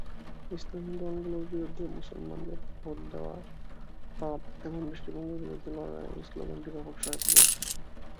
ইসলামী দলগুলোর বিরুদ্ধে মুসলমানদের ভোট দেওয়া পাপ এমন দৃষ্টিভঙ্গির বিরুদ্ধে লড়াইয়ে এই স্লোগানটি ব্যাপক সহায়তা করেছিল।